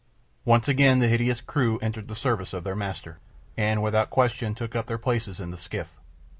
Once again the hideous crew entered the service of their master, and without question took up their places in the skiff.